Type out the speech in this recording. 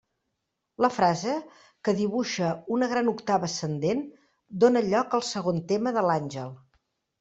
La frase, que dibuixa una gran octava ascendent, dóna lloc al segon tema de l'àngel.